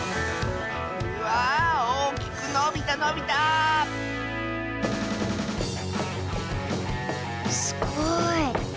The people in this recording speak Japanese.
わあおおきくのびたのびたすごい。